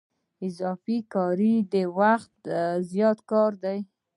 اضافه کاري د وخت زیات کار دی